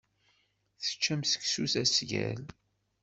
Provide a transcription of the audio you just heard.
Teččam seksu d asgal.